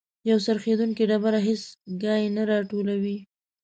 یو څرخیدونکی ډبره هیڅ کای نه راټولوي.